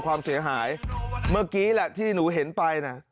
ความเสียหายเมื่อกี้แหละที่หนูเห็นไปน่ะ